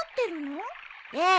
ええ。